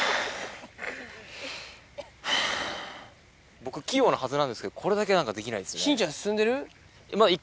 僕器用なはずなんですけどこれだけできないんですよね。